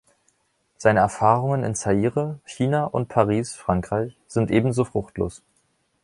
Seine Erfahrungen in Zaire, China und Paris (Frankreich) sind ebenso fruchtlos.